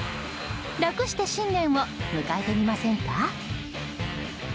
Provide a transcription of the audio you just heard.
楽して新年を迎えてみませんか？